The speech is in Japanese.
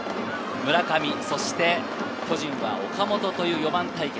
注目の村上、巨人は岡本という４番対決。